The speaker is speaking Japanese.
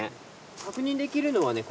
確認できるのはね